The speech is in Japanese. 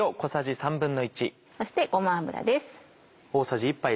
そしてごま油です。